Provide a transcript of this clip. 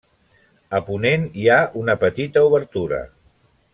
A ponent hi ha una petita obertura.